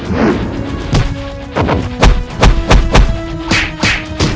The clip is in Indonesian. menjaga kont therapeutika